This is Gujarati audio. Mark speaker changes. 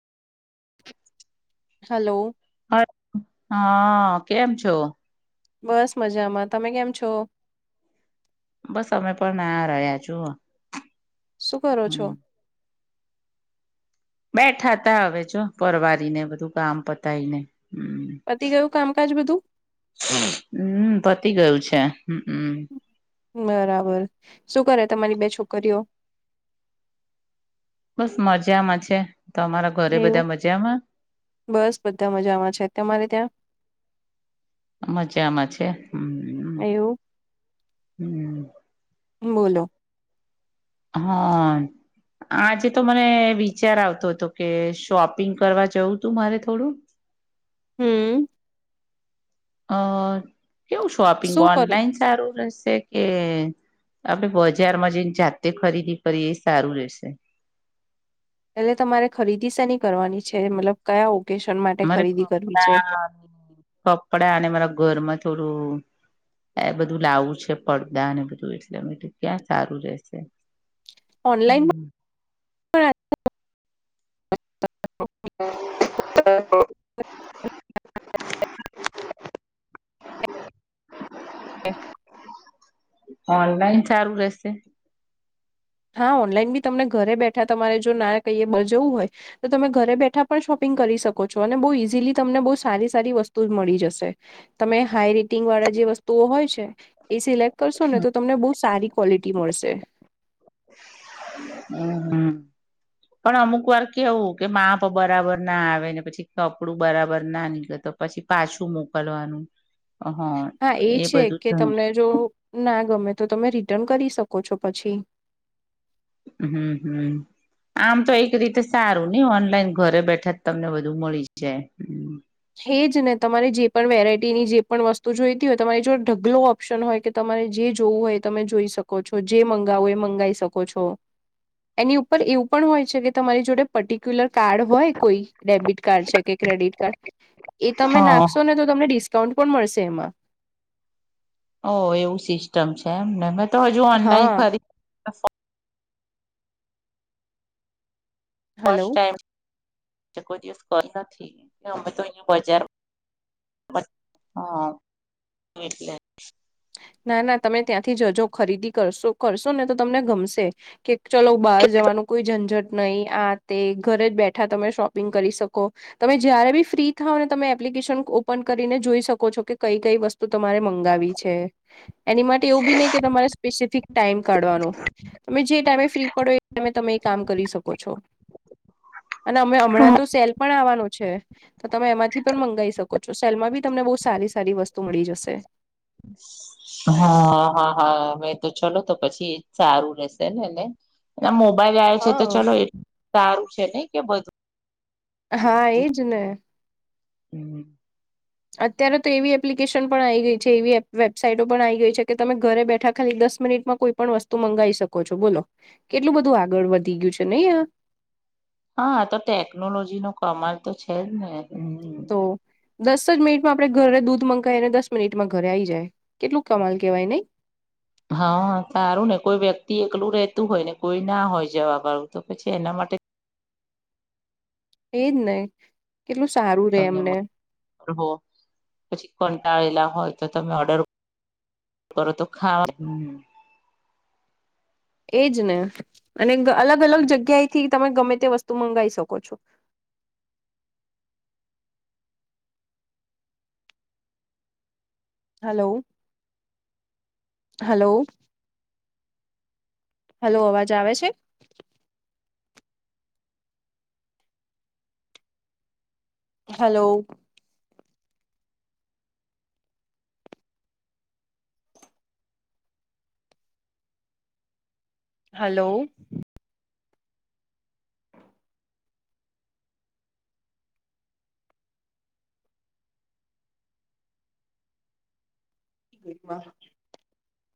Speaker 1: હલો
Speaker 2: હ.. કેમ છો?
Speaker 1: બસ મજામાં તમે કેમ છો?
Speaker 2: બસ અમે પણ આ રહ્યા જો.
Speaker 1: શું કરો છો?
Speaker 2: બેઠા ત હવે જો પરવારીને બધું કામ પતાયને હમ.
Speaker 1: પતી ગયું કામકાજ બધું.
Speaker 2: હમ પતી ગયું છે હમ.
Speaker 1: બરાબર શું કરે તમારી બે છોકરીઓ
Speaker 2: બસ મજામાં છે તમારા ઘરે
Speaker 1: એવું
Speaker 2: બધા મજામાં
Speaker 1: બસ બધા મજામાં છે તમારે ત્યાં
Speaker 2: મજામાં છે હમ
Speaker 1: એવું
Speaker 2: હમ
Speaker 1: બોલો
Speaker 2: હા આજે તો મને વિચાર આવતો હતો કે શોપિંગ કરવા જવું તું મારે થોડું
Speaker 1: હમ
Speaker 2: અ કેવું શોપિંગ
Speaker 1: શું કરું
Speaker 2: ઓનલાઈન સારું રહેશે, કે આપડે બજારમાં જેને જાતે ખરીદી કરીએ એ સારું રહેશે.
Speaker 1: એટલે તમારે ખરીદી શેની કરવાની છે મતલબ કયા ઓકેશન માટે
Speaker 2: મારે
Speaker 1: ખરીદી કરવી છે.
Speaker 2: કપડા કપડા અને મારા ઘરમાં થોડું એ બધું લાવું છે પડદા ને બધું એટલે અમેટ ક્યાં સારું રશે.
Speaker 1: ઓનલાઈન મા.
Speaker 2: હ હ [unintelligible] [inaudible]
Speaker 1: હ
Speaker 2: ઓનલાઈન સારું રહેેશે.
Speaker 1: હા ઓનલાઈન બી તમને ઘરે બેઠા તમારે જો ના કહીએ બ જવું હોય. તો તમે ઘરે બેઠા પણ શોપિંગ કરી શકો છો અને બહુ ઈઝીલી તમને બહુ સારી સારી વસ્તુ મળી જશે. તમે હાઈ રેટિંગ વાળા જે વસ્તુઓ હોય છે. એ સિલેક્ટ કરશો ને તો તમને બહ સારી ક્વોલિટી મળશે.
Speaker 2: હમ હમ. પણ અમુક વાર કેવું કે માપ બરાબર ના આવેને પછી કપડું બરાબર ના નીકળે તો. પછી પાછું મોકલવાનું હ
Speaker 1: હા એ છે કે તમને જો ના ગમે તો તમે રિટર્ન કરી શકો છો પછી.
Speaker 2: હમ હમ આમ તો એક રીતે સારું નઈ ઓનલાઈન ઘરે બેઠા જ તમને બધું મળી જાય.
Speaker 1: હેજ ને તમારે જે પણ વેરાઈટીની જે પણ વસ્તુ જોઈતી હોય તમારી જો ઢગલો ઓપ્શન હોય કે તમારે જે જોવું હોય એ તમે જોઈ શકો છો જે મંગાવો એ મંગાવી શકો છો. એની ઉપર એવું પણ હોય છે કે તમારી જોડે પર્ટિક્યુલર કાર્ડ હોય કોઈ ડેબિટ. કાર્ડ છે કે ક્રેડિટ કાર્ડ એ તમે
Speaker 2: હા
Speaker 1: નાખશો ને તો તમને ડિસ્કાઉન્ટ પણ મળશે એમાં.
Speaker 2: ઓ એવું સિસ્ટમ છે એમને મેં તો હજુ ઓનલાઈન
Speaker 1: હા
Speaker 2: ખરી.
Speaker 1: હલો
Speaker 2: ટમ કોઈ નથી અમે તો અહી બજાર. બ હા વટલે
Speaker 1: ના ના તમે ત્યાંથી જ જો ખરીદી કરશો કરશો ને તો તમને ગમશે કે. ચલોો બહાર જવાનું કોઈ ઝંઝટ નહીિ આ તે ઘરે જ બેઠા તમે શોપિંગ કરી શકો. તમે જયારે બી ફ્રી થાવ ને તમે એપ્લિકેશન ઓપન કરીને જોઈ શકો છો કે કઈ કઈ વસ્તુ. તો તમારે મંગાવી છે એની માટે એવું બી નહી કે તમારે સ્પેસિફિક. ટાઈમ કાઢવાનો તમે જે ટાઈમે ફ્રી પડો એ ટાઈમે તમે એ કામ કરી શકો છો. અને અમે હમણાં તો સેલ પણ આવવાનું છે તો તમે એમાંથી પણ મંગાવી શકો છો સેલમાં બી તમને બહુ સારી સારી વસ્તુ મળી જશે
Speaker 2: [inaudible] હા, હા, હા, મેં તો ચલો તો પછી સારું રહેેશેનેને મો બજ આયે છે તો
Speaker 1: હા
Speaker 2: ચલો એટલું સારું છે નહી કે બધું
Speaker 1: હા
Speaker 2: બધું
Speaker 1: એજ ને.
Speaker 2: હમ.
Speaker 1: અત્યારે તો એવી એપ્લિકેશન પણ આવી ગઈ છે. એવી વેબસાાઈટો પણ આવી ગઈ છે કે તમે ઘરે બેઠા ખાલી દસ મિનિટમાં કોઈ પણ વસ્તુ મંગાવી શકો છો બોલો કેટલું બધું આગળ વધી ગયું છે નહી આ.
Speaker 2: હા, તો ટેકનોલોજીનો કમાલ તો છે જ ને હ
Speaker 1: તો, દસ જ મિનિટમાં આપણે ઘરે દૂધ મંગાય અને દસ મિનિટમાં ઘરે આવી જાય કેટલું કમાલ કેવાય નહી
Speaker 2: હા, સારું ને કોઈ વ્યક્તિ એકલું રેતું હોય ને કોઈ ના હોય જવા વાળુ તો પછી એના માટે
Speaker 1: એજ ને કેટલું સારું રે
Speaker 2: તમને
Speaker 1: એમને
Speaker 2: પછી કંટાળેલા હોય તો તમે ઓર્ડર [unintelligible] તો ખાવા
Speaker 1: એજ ને અને અલગ અલગ જગ્યાએ થી તમે ગમે તે વસ્તુ મંગાવ શકો છો હલો, હલો હલો અવાજ આવે છે હલો હલો [unintelligible]